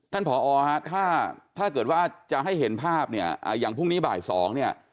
ผอฮะถ้าเกิดว่าจะให้เห็นภาพเนี่ยอย่างพรุ่งนี้บ่าย๒เนี่ย